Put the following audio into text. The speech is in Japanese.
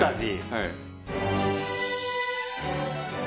はい。